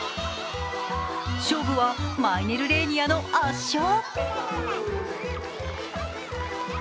勝負はマイネルレーニアの圧勝。